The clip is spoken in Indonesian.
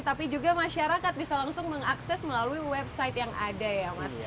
tapi juga masyarakat bisa langsung mengakses melalui website yang ada ya mas